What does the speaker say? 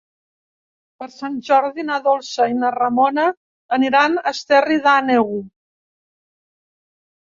Per Sant Jordi na Dolça i na Ramona aniran a Esterri d'Àneu.